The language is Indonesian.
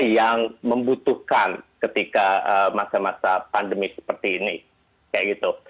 yang membutuhkan ketika masa masa pandemi seperti ini kayak gitu